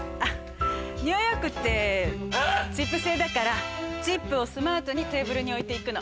ニューヨークってチップ制だからチップをスマートにテーブルに置いて行くの。